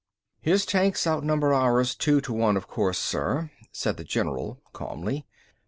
"His tanks outnumber ours two to one, of course, sir," said the general calmly.